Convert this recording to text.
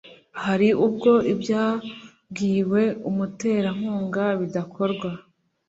Hari ubwo ibyabwiwe umuterankunga bidakorwa